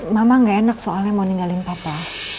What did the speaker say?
mama gak enak soalnya mau ninggalin papa